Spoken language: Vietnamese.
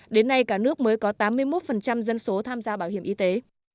đến nay cả nước mới có tám mươi một dân số tham gia bảo hiểm y tế